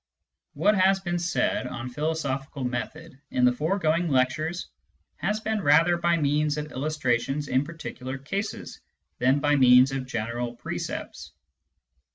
What has been said on philosophical method in the foregoing lectures has been rather by means of illustrations in particular cases than by means of general precepts.